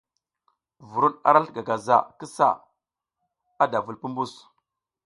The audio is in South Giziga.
Vuruɗ arasl gagaza ki sa, ada vul pumbus.